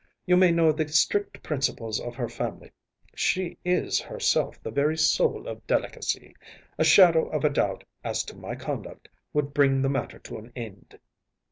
You may know the strict principles of her family. She is herself the very soul of delicacy. A shadow of a doubt as to my conduct would bring the matter to an end.